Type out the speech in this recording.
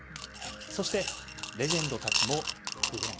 そしてレジェンドたちも苦言。